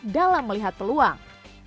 dalam melihat peluang